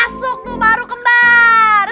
masuk tuh baru kembar